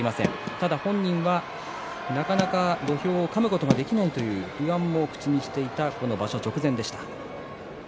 ただ本人は、なかなか土俵をかむことができないという不安を気にしていた場所直前でした。